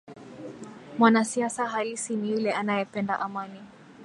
Mwanasiasa halisi ni yule anayependa amani